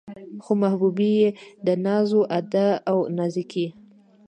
خو محبوبې يې د ناز و ادا او نازکۍ